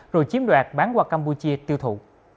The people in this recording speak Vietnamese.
rồi chiếm đoạt bán qua campuchia tiêu thụ